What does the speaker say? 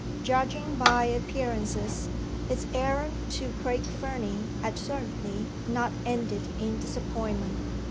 Judging by appearances, his errand to Craig Fernie had certainly not ended in disappointment.